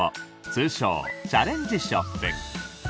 通称チャレンジショップ。